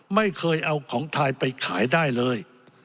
ไม่เคยเอาของไทยไปขายได้เลย